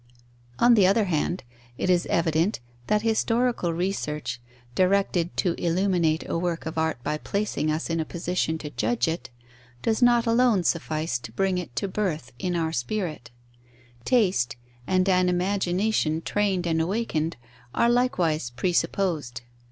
On the other hand, it is evident, that historical research, directed to illuminate a work of art by placing us in a position to judge it, does not alone suffice to bring it to birth in our spirit: taste, and an imagination trained and awakened, are likewise presupposed.